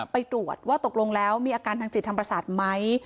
ไปตรวจว่าตกลงแล้วมีอาการทางจิตธรรมศาสตร์ไหม